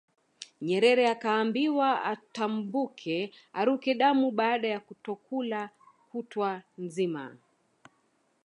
Nyerere akaambiwa atambuke aruke damu baada ya kutokula kutwa nzima